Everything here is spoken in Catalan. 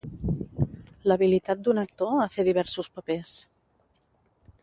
L'habilitat d'un actor a fer diversos papers.